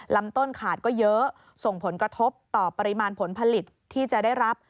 ลำต้นขาดก็เยอะส่งผลกระทบต่อปริมาณผลผลิตที่จะได้รับ